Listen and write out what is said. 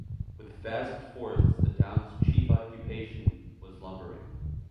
With vast forests, the town's chief occupation was lumbering.